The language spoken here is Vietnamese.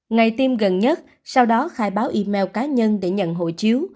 ngày tiêm gần nhất sau đó khai báo email cá nhân để nhận hộ chiếu